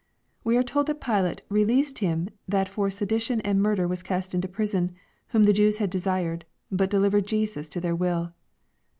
We are told that Pilate " released him that for sedition and murder was cast into prison, whom the Jews had desired ; but delivered Jesus to their will."